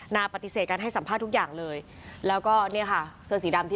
นาปฏิเสธกันให้สัมภาพทุกอย่างเลยแล้วก็เนี่ยค่ะ